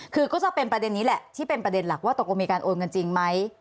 คือก็จะเป็นประเด็นนี้แหละที่เป็นประเด็นหลักว่าตกลงมีการโอนเงินจริงไหม